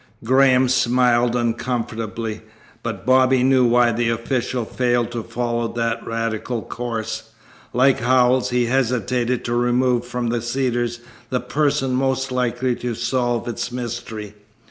Graham smiled uncomfortably, but Bobby knew why the official failed to follow that radical course. Like Howells, he hesitated to remove from the Cedars the person most likely to solve its mystery.